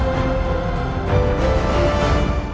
và hẹn gặp lại